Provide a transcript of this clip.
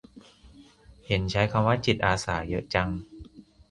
เห็นใช้คำว่า "จิตอาสา" เยอะจัง